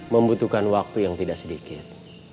membutuhkan waktu yang tidak sedikit